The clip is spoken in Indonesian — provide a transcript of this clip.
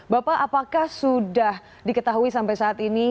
bapak apakah sudah diketahui sampai saat ini